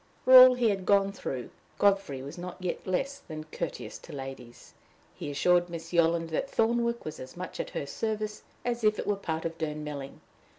For all he had gone through, Godfrey was not yet less than courteous to ladies. He assured Miss Yolland that Thornwick was as much at her service as if it were a part of Durnmelling.